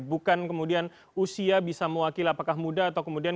bukan kemudian usia bisa mewakili apakah muda atau kemudian